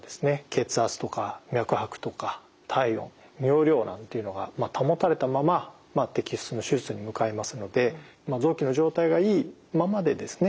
血圧とか脈拍とか体温尿量なんていうのが保たれたまま摘出の手術に向かいますので臓器の状態がいいままでですね